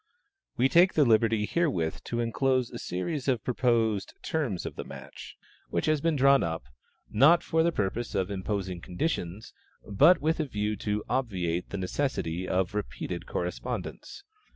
We take the liberty herewith to inclose a series of proposed "terms of the match," which has been drawn up, not for the purpose of imposing conditions, but with a view to obviate the necessity of repeated correspondence.